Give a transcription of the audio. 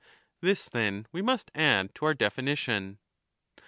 15 This, then, we must add to our definition.